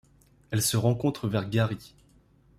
Elle se rencontre vers Garies.